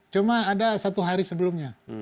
cuma ada satu hari sebelumnya